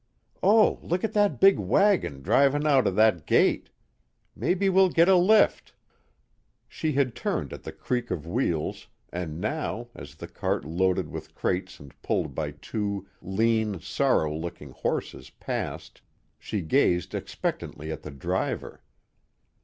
Oh, look at that big wagon drivin' out of that gate! Maybe we'll git a lift." She had turned at the creak of wheels, and now, as the cart loaded with crates and pulled by two lean, sorry looking horses passed, she gazed expectantly at the driver.